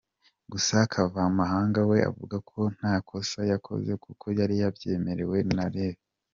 Gusa Kavamahanga we avuga ko nta kosa yakoze kuko yari yabyemerewe na Rev.